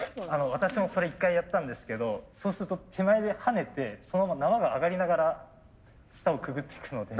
私もそれ一回やったんですけどそうすると手前で跳ねてそのまま縄が上がりながら下をくぐっていくので。